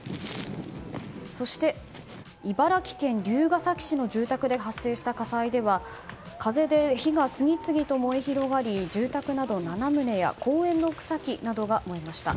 そして、茨城県龍ケ崎市の住宅で発生した火災では風で火が次々と燃え広がり住宅など７棟や公園の草木などが燃えました。